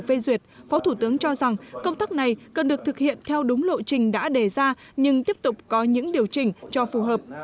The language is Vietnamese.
phê duyệt phó thủ tướng cho rằng công tác này cần được thực hiện theo đúng lộ trình đã đề ra nhưng tiếp tục có những điều chỉnh cho phù hợp